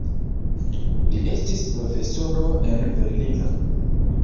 Li estis profesoro en Berlino.